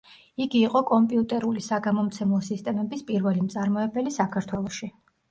იგი იყო კომპიუტერული საგამომცემლო სისტემების პირველი მწარმოებელი საქართველოში.